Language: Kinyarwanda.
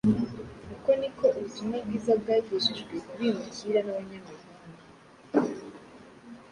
Uko ni ko ubutumwa bwiza bwagejejwe ku bimukira n’abanyamahanga